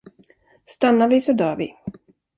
Stannar vi så dör vi.